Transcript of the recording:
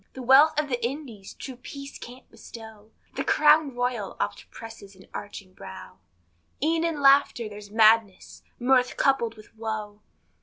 The wealth of the Indies, true peace can't bestow, The Crown Royal oft presses an aching brow, E'en in laughter there's madness mirth coupled with woe.